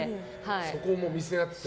そこも見せ合って。